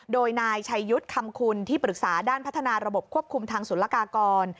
โดยนายชัยยุทธ์คำคุณที่ปรึกษาด้านพัฒนาระบบควบคุมทางศุลกากร